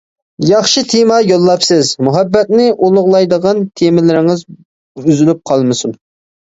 ياخشى تېما يوللاپسىز، مۇھەببەتنى ئۇلۇغلايدىغان تېمىلىرىڭىز ئۈزۈلۈپ قالمىسۇن.